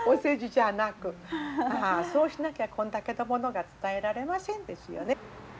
そうしなきゃこんだけのものが伝えられませんですよね。